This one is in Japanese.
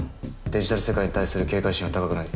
デジタル世界に対する警戒心は高くない。